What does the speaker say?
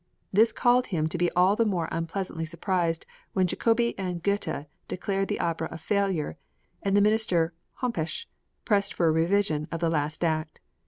This caused him to be all the more unpleasantly surprised when Jacobi and Goethe declared the opera a failure, and the minister Hompesch pressed for a revision of the last act.